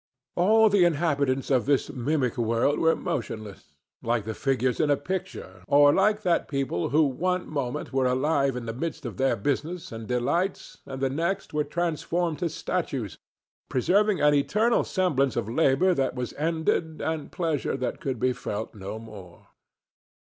All the inhabitants of this mimic world were motionless, like the figures in a picture, or like that people who one moment were alive in the midst of their business and delights and the next were transformed to statues, preserving an eternal semblance of labor that was ended and pleasure that could be felt no more.